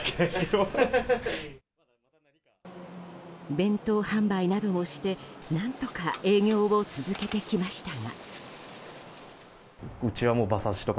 弁当販売などもして、何とか営業を続けてきましたが。